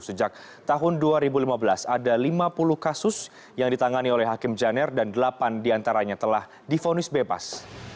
sejak tahun dua ribu lima belas ada lima puluh kasus yang ditangani oleh hakim janer dan delapan diantaranya telah difonis bebas